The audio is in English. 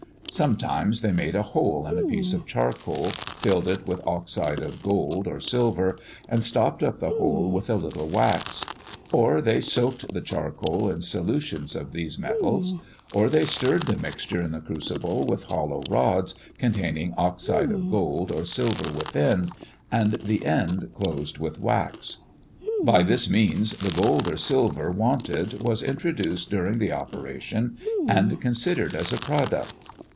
Sometimes, they made a hole in a piece of charcoal, filled it with oxide of gold or silver, and stopped up the hole with a little wax; or they soaked the charcoal in solutions of these metals; or they stirred the mixture in the crucible with hollow rods, containing oxide of gold or silver within, and the end closed with wax. By these means, the gold or silver wanted was introduced during the operation, and considered as a product.